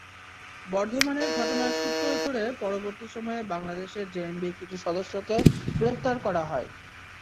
বর্ধমানের ঘটনার সূত্র ধরে পরবর্তী সময়ে বাংলাদেশে জেএমবির কিছু সদস্যকে গ্রেপ্তার করা হয়।